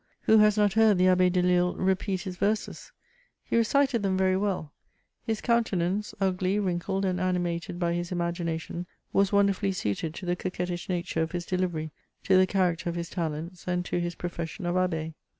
Who has not heard the Abbe Delille repeat his verses? He recited them very well; his countenance, ugly, wrinkled, and animated by his ima^^ina tion, was wonderfully suited to the coquettish nature of his de livery, to the character of his talents, and to hb profession of abb6.